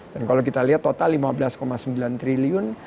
dan kalau kita lihat total lima belas sembilan triliun